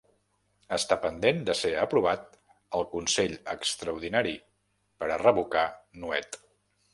Està pendent de ser aprovat el consell extraordinari per a revocar Nuet